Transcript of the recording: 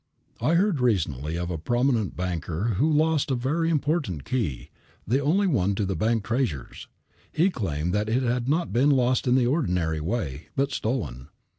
I heard recently of a prominent banker who lost a very important key, the only one to the bank treasures. He claimed that it had not been lost in the ordinary way, but stolen.